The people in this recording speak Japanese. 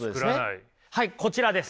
はいこちらです。